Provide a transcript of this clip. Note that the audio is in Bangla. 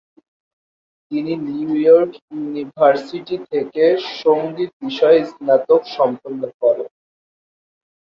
তিনি নিউ ইয়র্ক ইউনিভার্সিটি থেকে সঙ্গীত বিষয়ে স্নাতক সম্পন্ন করেন।